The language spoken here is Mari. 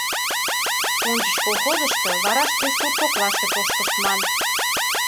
Ончыч колхозышто, вара шке сурткоклаште тошкыштман.